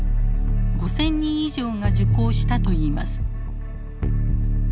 ５，０００人以上が受講したといいます。